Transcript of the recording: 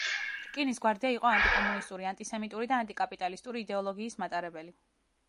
რკინის გვარდია იყო ანტიკომუნისტური, ანტისემიტური და ანტიკაპიტალისტური იდეოლოგიის მატარებელი.